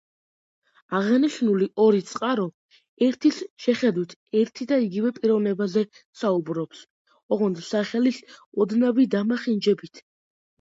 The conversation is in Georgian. აღნიშნული ორი წყარო ერთის შეხედვით ერთი და იგივე პიროვნებაზე საუბრობს ოღონდ სახელის ოდნავი დამახინჯებით.